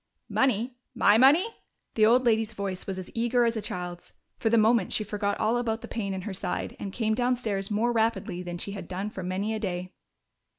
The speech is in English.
"Money? My money?" The old lady's voice was as eager as a child's. For the moment she forgot all about the pain in her side and came downstairs more rapidly than she had done for many a day.